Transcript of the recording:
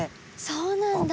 そうなんだ。